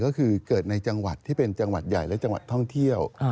ก็คือเกิดในจังหวัดที่เป็นจังหวัดใหญ่และจังหวัดท่องเที่ยว